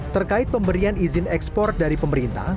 terkait pemberian izin ekspor dari pemerintah